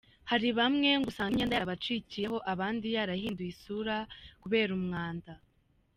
Hari bamwe ngo usanga imyenda yarabacikiyeho abandi yarahinduye isura kubera umwanda.